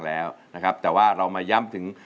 ร้องได้ให้ร้าง